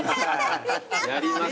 やりますよ。